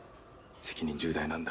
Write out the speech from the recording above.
責任重大なんだ。